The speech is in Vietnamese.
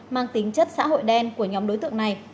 mang tính chất xã hội đen của nhóm đối tượng này